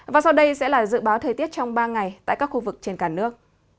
và sau đây sẽ là dự báo thời tiết trong ba ngày tại các khu vực trên cả nước